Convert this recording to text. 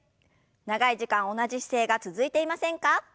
長い時間同じ姿勢が続いていませんか？